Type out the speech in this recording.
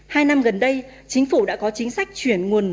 hai năm gần đây chính phủ đã có chính sách chuyển nguồn